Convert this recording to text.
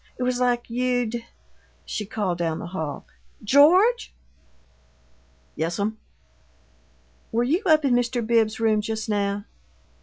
It was like you'd " She called down the hall, "George!" "Yes'm?" "Were you up in Mr. Bibbs's room just now?"